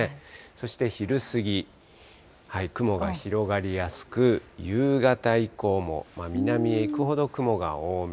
そして昼過ぎ、雲が広がりやすく、夕方以降も南へ行くほど雲が多め。